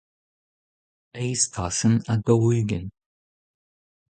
eizh tasenn ha daou-ugent.